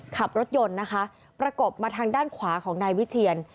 ขับรถยนต์นะคะประกบมาทางด้านขวาของนายวิเทียน